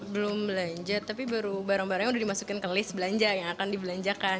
belum belanja tapi barang barangnya udah dimasukin ke list belanja yang akan dibelanjakan